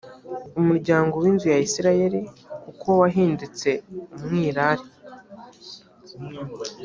umuryango w inzu ya isirayeli kuko wahindutse umwirare